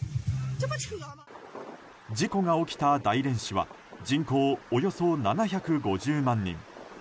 事故が起きた大連市は人口およそ７５０万人。